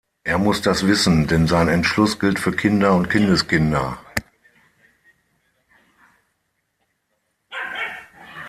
Er muß das wissen, denn sein Entschluß gilt für Kinder und Kindeskinder.